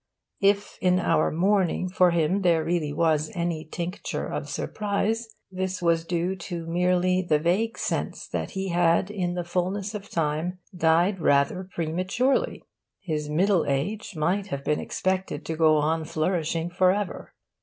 If in our mourning for him there really was any tincture of surprise, this was due to merely the vague sense that he had in the fullness of time died rather prematurely: his middle age might have been expected to go on flourishing for ever.